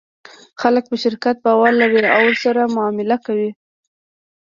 خلک په شرکت باور لري او ورسره معامله کوي.